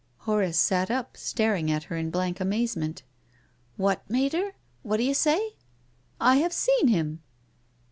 Horace sat up, staring at her in blank amaze ment. " What, Mater ? What d'you say ?"" I have seen him."